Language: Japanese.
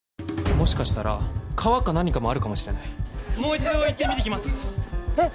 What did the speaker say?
もしかしたら川か何かもあるかもしれないもう一度行って見てきますえっ？